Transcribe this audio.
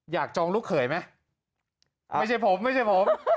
๑๒อยากจองลูกเขยไหมไม่ใช่ผม